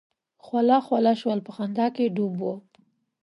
خوله خوله شول په خندا کې ډوب وو.